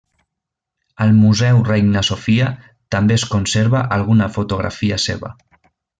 Al Museu Reina Sofia també es conserva alguna fotografia seva.